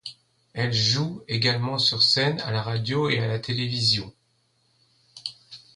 Elle joue également sur scène, à la radio et à la télévision.